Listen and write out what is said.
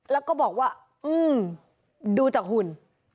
แล้วก็บอกว่าดูจากหุ่น